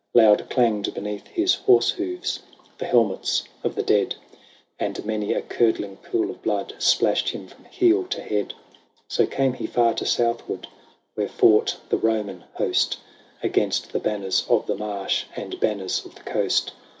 Loud clanged beneath his horse hoofs The helmets of the dead. BATTLE OF THE LAKE REGILLUS. 119 And many a curdling pool of blood Splashed him from heel to head. So came he far to southward. Where fought the Roman host. Against the banners of the marsh And banners of the coast.